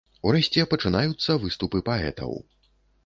Урэшце пачынаюцца выступы паэтаў.